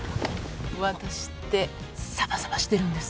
ワタシってサバサバしてるんです。